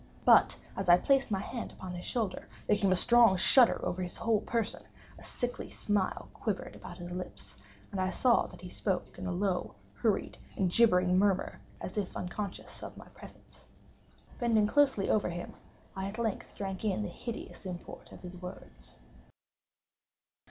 But, as I placed my hand upon his shoulder, there came a strong shudder over his whole person; a sickly smile quivered about his lips; and I saw that he spoke in a low, hurried, and gibbering murmur, as if unconscious of my presence. Bending closely over him, I at length drank in the hideous import of his words.